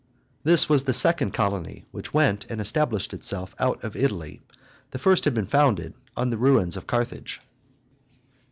This was the second colony which went and established itself out of Italy; the first had been founded on the ruins of Carthage.